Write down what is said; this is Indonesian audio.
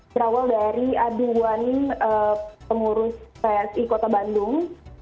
berawal dari aduan pengurus psi kota bandung